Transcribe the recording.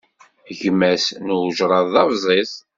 Gma-s,n ujṛad d abẓiẓ.